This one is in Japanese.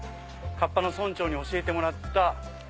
かっぱの村長に教えてもらった。